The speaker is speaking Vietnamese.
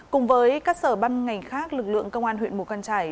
cùng với các sở băng ngành khác lực lượng công an huyện mù căn trải